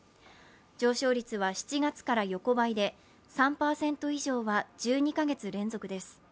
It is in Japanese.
上昇率は７月から横ばいで、３％以上は１２か月連続です。